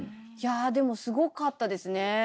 いやあでもすごかったですね。